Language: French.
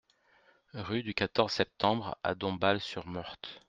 Rue du quatorze Septembre à Dombasle-sur-Meurthe